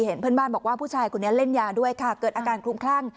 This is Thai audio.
เพื่อนบ้านบอกว่าผู้ชายคนนี้เล่นยาด้วยค่ะเกิดอาการคลุมคลั่ง